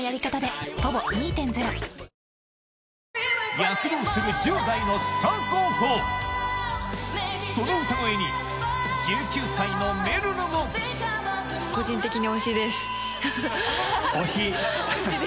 躍動する１０代のスター候補その歌声に１９歳のめるるも個人的に。